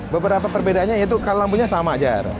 beberapa perbedaannya yaitu kalau lampunya sama jar